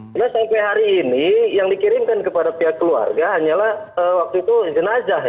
karena sampai hari ini yang dikirimkan kepada pihak keluarga hanyalah waktu itu jenazah ya